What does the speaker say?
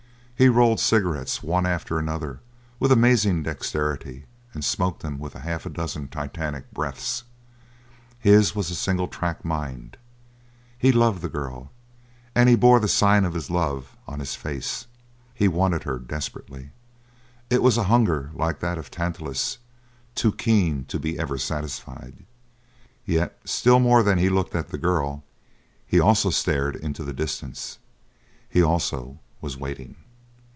He rolled cigarettes one after another with amazing dexterity and smoked them with half a dozen Titanic breaths. His was a single track mind. He loved the girl, and he bore the sign of his love on his face. He wanted her desperately; it was a hunger like that of Tantalus, too keen to be ever satisfied. Yet, still more than he looked at the girl, he, also, stared into the distance. He, also, was waiting!